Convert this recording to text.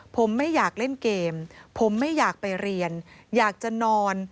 ผมไม่อยากเล่นเกมผมไม่อยากไปเรียนอยากจะนอน